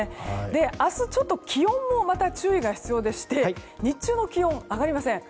明日、気温も注意が必要でして日中の気温上がりません。